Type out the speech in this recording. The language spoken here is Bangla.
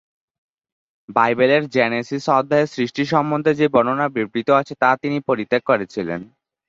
বাইবেলের জেনেসিস অধ্যায়ে সৃষ্টি সম্বন্ধে যে বর্ণনা বিধৃত আছে তা তিনি পরিত্যাগ করেছিলেন।